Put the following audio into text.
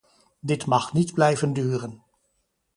Dit mag niet blijven duren.